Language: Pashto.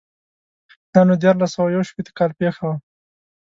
دا نو دیارلس سوه یو شپېتو کال پېښه وه.